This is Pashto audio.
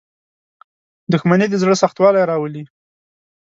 • دښمني د زړه سختوالی راولي.